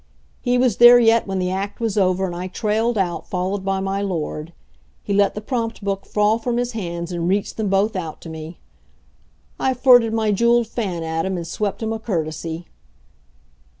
He was there yet when the act was over, and I trailed out, followed by my Lord. He let the prompt book fall from his hands and reached them both out to me. I flirted my jeweled fan at him and swept him a courtesy.